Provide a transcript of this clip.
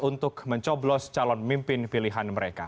untuk mencoblos calon mimpin pilihan mereka